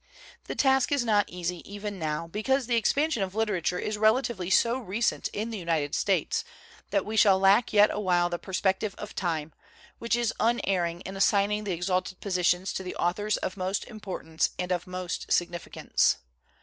The task is not easy even now, because the expansion of literature is relatively so recent in the United States, that we shall lack yet awhile the perspective of time, which is unerring in assigning the exalted positions to the authors of most importance and of most significance.